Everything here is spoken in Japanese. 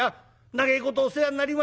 長えことお世話になりました。